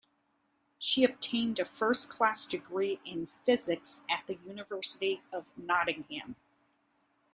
She obtained a first class degree in Physics at the University of Nottingham.